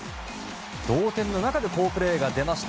同点の中で好プレーが出ました。